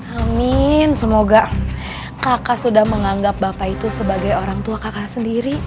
amin semoga kakak sudah menganggap bapak itu sebagai orang tua kakak sendiri